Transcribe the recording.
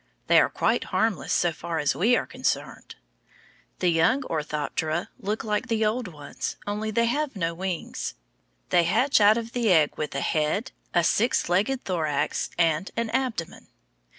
They are quite harmless so far as we are concerned. The young Orthoptera look like the old ones, only they have no wings. They hatch out of the egg with a head, a six legged thorax, and an abdomen.